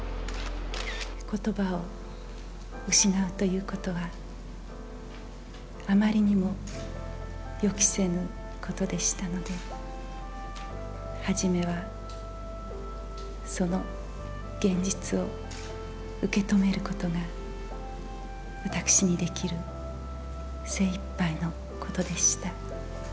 ことばを失うということは、あまりにも予期せぬことでしたので、初めは、その現実を受け止めることが、私にできる精いっぱいのことでした。